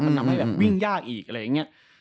มันทำให้แบบวิ่งยากอีกอะไรอย่างนี้